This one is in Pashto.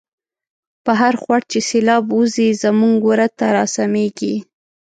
په هرخوړ چی سیلاب وزی، زمونږ وره ته را سمیږی